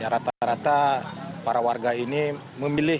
rata rata para warga ini memilih